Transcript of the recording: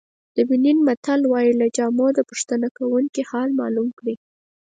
د بنین متل وایي له جامو د پوښتنه کوونکي حال معلوم کړئ.